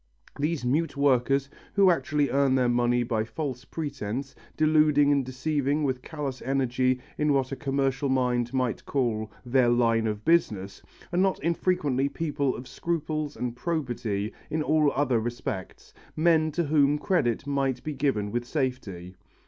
These mute workers, who actually earn their money by false pretences, deluding and deceiving with callous energy in what a commercial mind might call "their line of business," are not infrequently people of scruples and probity in all other respects, men to whom credit might be given with safety.